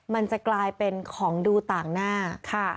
มันจะกลายเป็นของดูต่างหน้าค่ะ